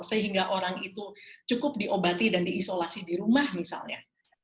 sehingga orang itu cukup diobati dan diisolasi di rumah misalnya